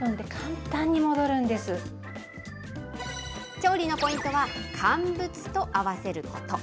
調理のポイントは、乾物と合わせること。